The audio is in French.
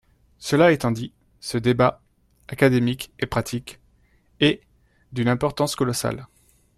Cela étant dit, ce débat, académique et pratique, est d’une importance colossale.